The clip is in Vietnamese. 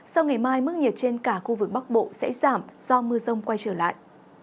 sau ngày mai mức nhiệt trên cả khu vực bắc bộ sẽ giảm do mưa rông quay trở lại